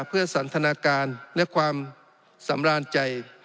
เพื่อสันทนาการและความสำราญใจ